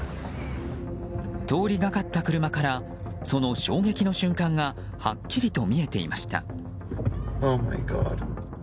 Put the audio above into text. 通りがかかった車からその衝撃の瞬間がはっきりと見えていました。